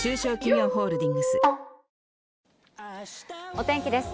お天気です。